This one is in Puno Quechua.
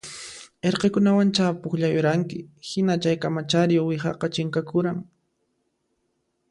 Irqikunawancha pukllayuranki hina chaykamachari uwihaqa chinkakuran